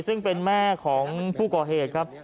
ซึ่งเป็นแม่ของผู้ก่อเหตุครับ